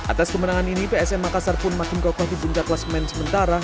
atas kemenangan ini psm makassar pun makin kokoh di puncak kelas main sementara